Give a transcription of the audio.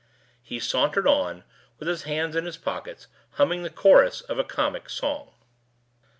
He sauntered on, with his hands in his pockets, humming the chorus of a comic song.